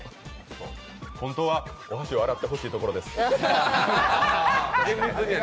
本当はお箸を洗ってほしいところです。